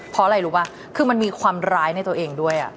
เพราะอะไรรู้ป่ะคือมันมีความร้ายในตัวเองด้วย